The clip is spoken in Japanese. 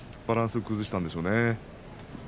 バランスを崩したんでしょうね。